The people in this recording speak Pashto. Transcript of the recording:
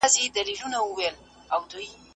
شاګرد د استاد مشورې ته غوږ ونه نیوه.